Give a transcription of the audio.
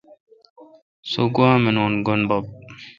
سو گوا مینون۔ گینب بب۔